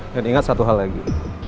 dan ingat satu hal lagi